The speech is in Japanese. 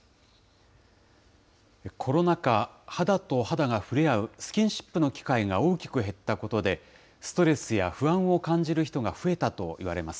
コロナ禍、肌と肌が触れ合うスキンシップの機会が大きく減ったことで、ストレスや不安を感じる人が増えたといわれます。